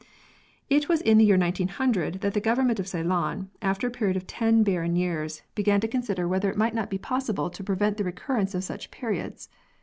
It was in the year 1900 that the Government of Ceylon, after a period of ten barren years, began to consider x] PEARLS AND SCIENCE 131 whether it might not be possible to prevent the recurrence of such periods.